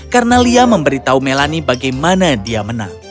karena liam memberitahu melanie bagaimana dia menang